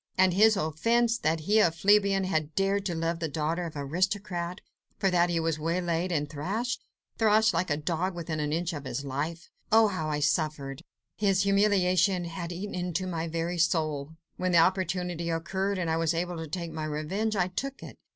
And his offence? That he, a plebeian, had dared to love the daughter of the aristocrat; for that he was waylaid and thrashed ... thrashed like a dog within an inch of his life! Oh, how I suffered! his humiliation had eaten into my very soul! When the opportunity occurred, and I was able to take my revenge, I took it.